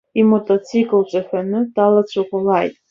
Иматацикл ҵаҳәаны далацәаӷәалааит!